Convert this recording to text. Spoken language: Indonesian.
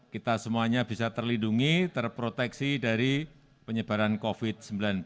kita semuanya bisa terlindungi terproteksi dari penyebaran covid sembilan belas